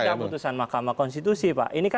ada putusan mahkamah konstitusi pak